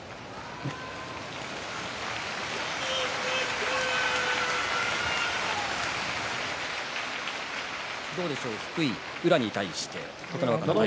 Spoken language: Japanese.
拍手どうでしょう低い宇良に対して。